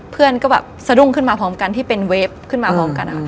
เพื่อนก็แบบสะดุ้งขึ้นมาพร้อมกันที่เป็นเวฟขึ้นมาพร้อมกันค่ะ